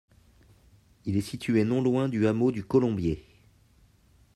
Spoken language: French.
Il est situé non loin du hameau du Colombier.